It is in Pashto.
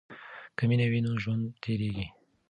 که مینه وي نو ژوند تیریږي.